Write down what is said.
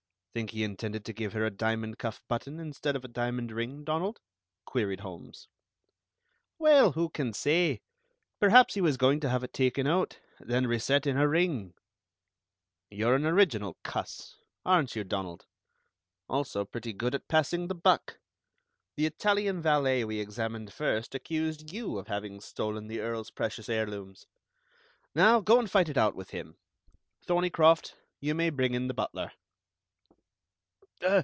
"Think he intended to give her a diamond cuff button, instead of a diamond ring, Donald?" queried Holmes. "Well, who can say? Perhaps he was going to have it taken out, and then reset in a ring." "You're an original cuss, aren't you, Donald? Also pretty good at passing the buck. The Italian valet we examined first accused you of having stolen the Earl's precious heirlooms. Now, go and fight it out with him. Thorneycroft, you may bring in the butler."